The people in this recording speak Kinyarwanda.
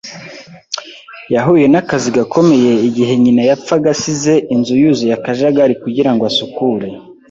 yahuye n'akazi gakomeye igihe nyina yapfaga asize inzu yuzuye akajagari kugira ngo asukure.